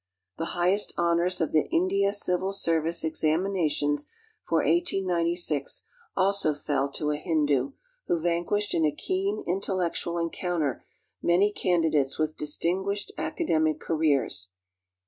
The highest honors of the India Civil Service ex aminations for 1896 also fell to a Hindoo, who vanquished in a keen intel lectual encounter many candidates with distinguished academic careers.